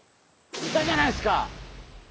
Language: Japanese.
いたじゃないっすか。